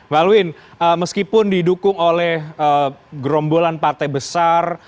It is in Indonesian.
pak alwin meskipun didukung oleh gerombolan partai besar